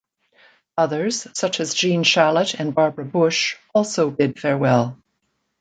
Others, such as Gene Shalit, and Barbara Bush also bid farewell.